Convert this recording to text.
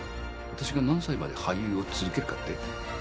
私が何歳まで俳優を続けるかって？